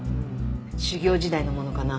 修業時代のものかな。